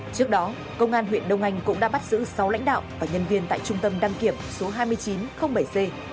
trước đó công an huyện đông anh cũng đã bắt giữ sáu lãnh đạo và nhân viên tại trung tâm đăng kiểm số hai nghìn chín trăm linh bảy c